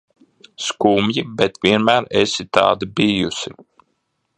Skumji, bet vienmēr esi tāda bijusi.